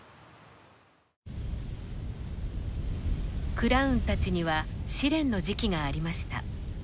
クラウンたちには試練の時期がありました。